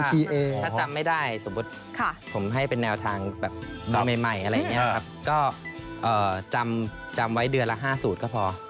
ถ้าจำไม่ได้สมมุติผมให้เป็นแนวทางแบบดูใหม่อะไรอย่างนี้ครับก็จำไว้เดือนละ๕สูตรก็พอ